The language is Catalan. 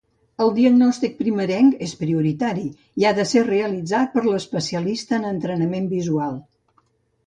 El diagnòstic primerenc és prioritari i ha de ser realitzat per l'especialista en entrenament visual.